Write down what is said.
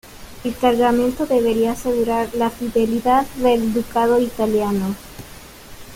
El cargamento debería asegurar la fidelidad del ducado italiano.